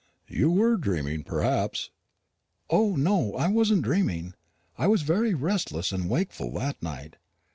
"You were dreaming, perhaps." "O no, I wasn't dreaming. I was very restless and wakeful that night.